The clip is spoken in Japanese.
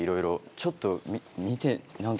ちょっと見て何か。